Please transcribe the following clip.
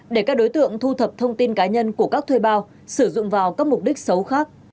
để các đối tượng thu thập thông tin cá nhân của các thuê bao sử dụng vào các mục đích xấu khác